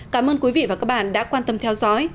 cảm ơn quý vị và các bạn đã quan tâm theo dõi